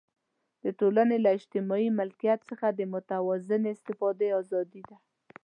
د ټولنې له اجتماعي ملکیت څخه د متوازنې استفادې آزادي ده.